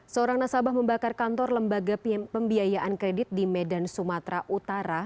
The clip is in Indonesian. seorang nasabah membakar kantor lembaga pembiayaan kredit di medan sumatera utara